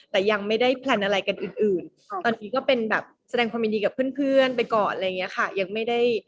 แต่ยังไม่ได้แพลนอะไรกันอื่นตอนนี้ก็เป็นแบบแสดงความยินดีกับเพื่อนไปก่อนอะไรอย่างนี้ค่ะ